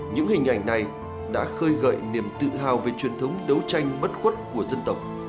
những hình ảnh này đã khơi gợi niềm tự hào về truyền thống đấu tranh bất khuất của dân tộc